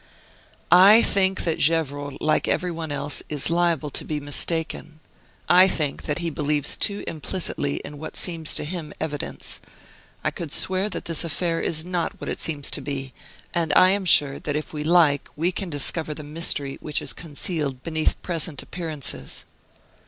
"I think that Gevrol, like every one else, is liable to be mistaken. I think that he believes too implicitly in what seems to him evidence. I could swear that this affair is not what it seems to be; and I am sure that if we like we can discover the mystery which is concealed beneath present appearances."